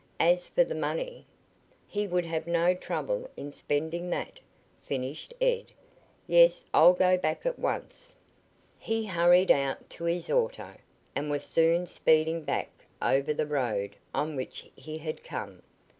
As for the money ?" "He would have no trouble in spending that," finished Ed. "Yes, I'll go back at once." He hurried out to his auto, and was soon speeding back over the road on which he had come.